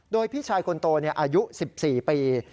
โดยพี่ชายคนโตอายุ๑๔ปี